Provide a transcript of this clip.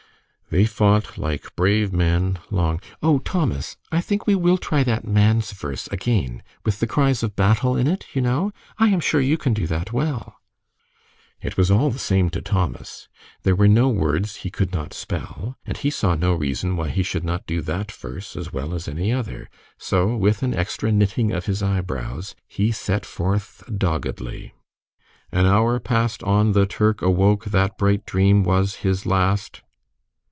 "They fought like brave men, long " "Oh, Thomas, I think we will try that man's verse again, with the cries of battle in it, you know. I am sure you can do that well." It was all the same to Thomas. There were no words he could not spell, and he saw no reason why he should not do that verse as well as any other. So, with an extra knitting of his eyebrows, he set forth doggedly. "An hour passed on the Turk awoke that bright dream was his last."